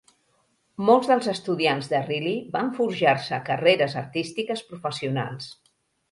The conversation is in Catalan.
Molts dels estudiants de Reilly van forjar-se carreres artístiques professionals.